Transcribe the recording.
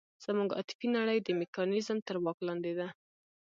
زموږ عاطفي نړۍ د میکانیزم تر واک لاندې ده.